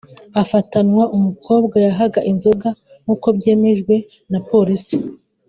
afatanwa umukobwa yahaga inzoga nk’uko byemejwe na Polisi